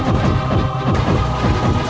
ada apa ini